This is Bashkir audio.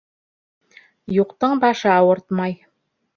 Юҡтың башы ауыртмай.